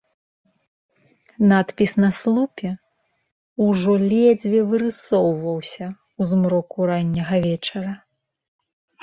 Надпіс на слупе ўжо ледзьве вырысоўваўся ў змроку ранняга вечара.